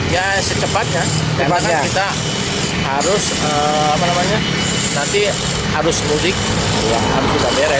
ya secepatnya karena kita harus nanti harus mudik harus beres